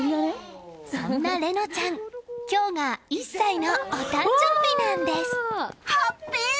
そんな玲乃ちゃん今日が１歳のお誕生日なんです。